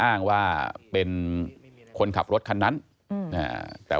อ้างว่าเป็นคนขับรถคันนั้นแต่